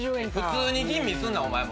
普通に吟味すんなお前も。